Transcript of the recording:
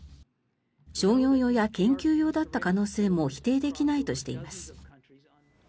商業用や研究用だった可能性も否定できないとしています。